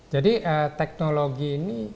jadi teknologi ini